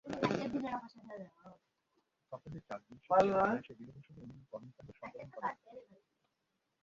সপ্তাহে চার দিন ছুটি পেলে অনায়াসে বিনোদনসহ অন্যান্য কর্মকাণ্ড সম্পাদন করা যাবে।